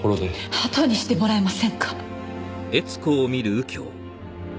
あとにしてもらえませんか！